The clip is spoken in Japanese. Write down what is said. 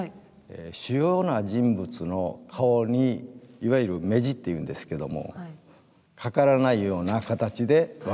主要な人物の顔にいわゆる目地っていうんですけどもかからないような形で分けております。